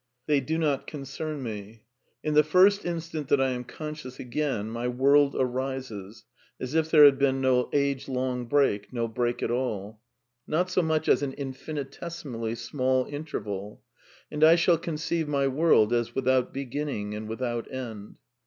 They do not concern me. In the first instant that I am conscious again my world arises, as if there had been no age long break, no break at all ; not so much as an infin itesimally small interval, and I shall conceive my world as without beginning and without end.